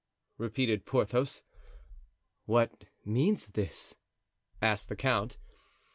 repeated Porthos. "What means this?" asked the count.